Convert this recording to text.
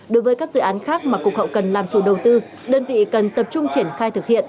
đối với các dự án khác mà cục hậu cần làm chủ đầu tư đơn vị cần tập trung triển khai thực hiện